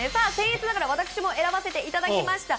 僭越ながら私も選ばせていただきました。